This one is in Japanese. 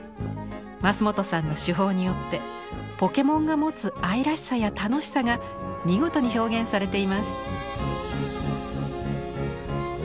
桝本さんの手法によってポケモンが持つ愛らしさや楽しさが見事に表現されています。